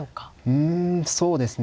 うんそうですね